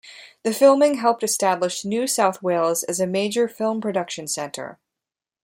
The filming helped establish New South Wales as a major film production center.